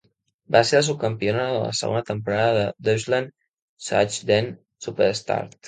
Va ser la subcampiona de la segona temporada de "Deutschland sucht den Superstar".